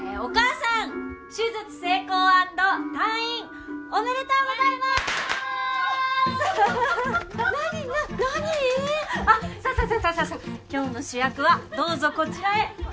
さあさあ今日の主役はどうぞこちらへ。